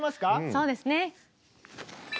そうですね。